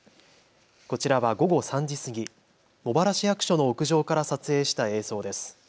こちらは午後３時過ぎ茂原市役所の屋上から撮影した映像です。